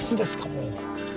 もう。